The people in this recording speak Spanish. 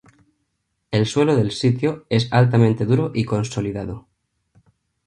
El suelo del sitio es altamente duro y consolidado.